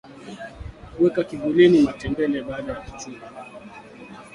weka kivulini matembele baada ya kuchuma